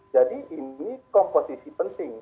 jadi ini komposisi penting